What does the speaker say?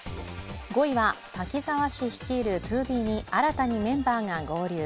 ５位は、滝沢氏率いるＴＯＢＥに新たにメンバーが合流。